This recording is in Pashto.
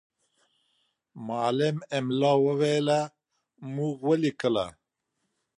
معلم املا وویله، موږ ولیکله.